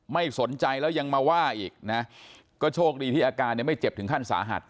ไม่สนใจแล้วยังมาว่าอีกนะก็โชคดีที่อาการเนี่ยไม่เจ็บถึงขั้นสาหัส